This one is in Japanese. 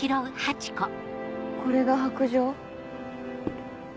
これが白杖？